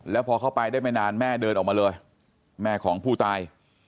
แล้วพอเข้าไปได้ไม่นานแม่เดินออกมาเลยแม่ของผู้ตาย